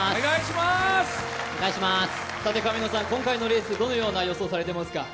さて神野さん、今回のレースどのような展開を予想されていますか？